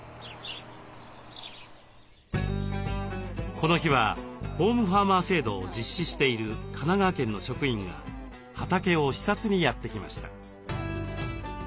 この日はホームファーマー制度を実施している神奈川県の職員が畑を視察にやって来ました。